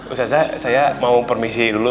usaza saya mau permisi dulu